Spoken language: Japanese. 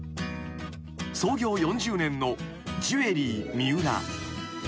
［創業４０年のジュエリー・ミウラ］